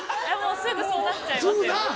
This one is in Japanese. すぐそうなっちゃいますよ。